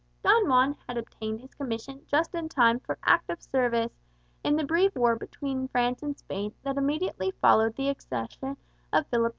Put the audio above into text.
Don Juan had obtained his commission just in time for active service in the brief war between France and Spain that immediately followed the accession of Philip II.